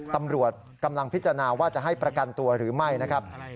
ตำรวจกำลังพิจารณาว่าจะให้ประกันตัวหรือไม่นะครับ